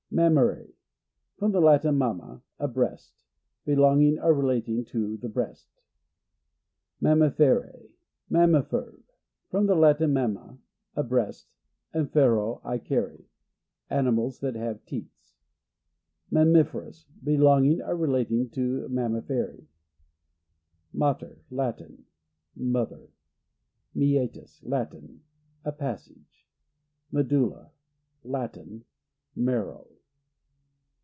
Mammary. — From the Latin, mamma, a breast. Belonging or relating to the breast. MammifervE — From the Latin, mam. ma, a breast, and fero, I carry. Animals that have teat*. Mammiferous — Belonging or relating to mammilerffi. Mater. — Latin. Mother. Meatus. — Latin. A passage. Medulla. — Latin. Marrow.